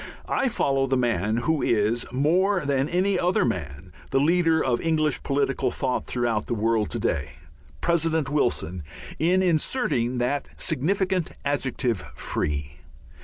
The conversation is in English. I follow the man who is, more than any other man, the leader of English political thought throughout the world to day, President Wilson, in inserting that significant adjective "Free."